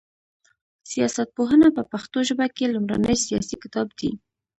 سياست پوهنه په پښتو ژبه کي لومړنی سياسي کتاب دی